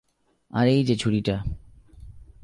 আর এইযে ছুড়িটা।